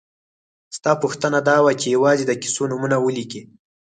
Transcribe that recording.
ستا پوښتنه دا وه چې یوازې د کیسو نومونه ولیکئ.